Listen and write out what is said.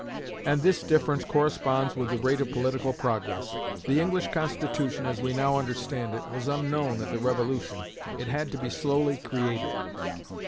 And this difference corresponds with the rate of political progress. The English constitution, as we now understand it, was unknown at the Revolution: it had to be slowly created.